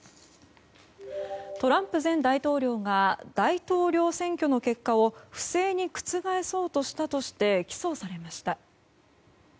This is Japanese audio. トランプ前大統領が大統領選挙の結果を不正に覆そうとしたとして起訴されました。